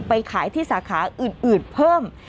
ไปขายที่สาขาอื่นเพิ่ม